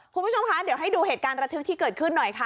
คุณผู้ชมคะเดี๋ยวให้ดูเหตุการณ์ระทึกที่เกิดขึ้นหน่อยค่ะ